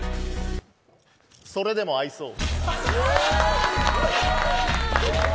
それでも愛そう。